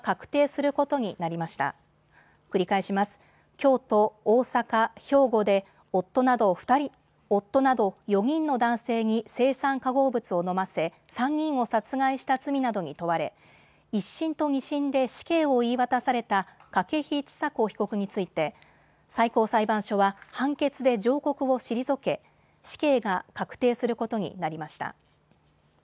京都、大阪、兵庫で夫など４人の男性に青酸化合物を飲ませ３人を殺害した罪などに問われ１審と２審で死刑を言い渡された筧千佐子被告について最高裁判所は判決で上告を退け死刑が確定することになりました。